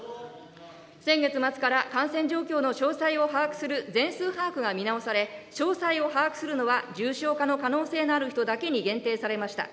先月末から感染状況の詳細を把握する全数把握が見直され、詳細を把握するのは重症化の可能性のある人だけに限定されました。